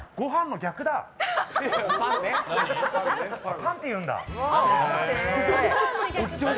パンっていうんだ。